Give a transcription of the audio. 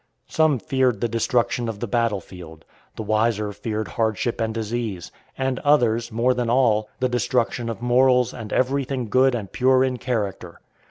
Some feared the destruction of the battle field; the wiser feared hardship and disease; and others, more than all, the destruction of morals and everything good and pure in character.